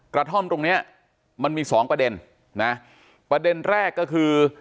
กระท่อมตรงเนี้ยมันมีสองประเด็นนะประเด็นแรกก็คือ